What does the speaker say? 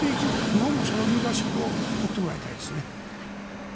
日本もそのリーダーシップを取ってもらいたいですね。